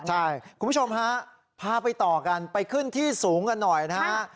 ใช่คุณผู้ชมฮะพาไปต่อกันไปขึ้นที่สูงกันหน่อยนะฮะ